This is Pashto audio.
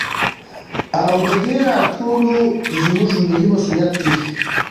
او د دې راټولو زموږ ملي مسوليت دى.